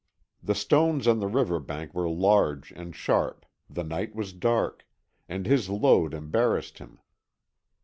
The stones on the river bank were large and sharp, the night was dark, and his load embarrassed him.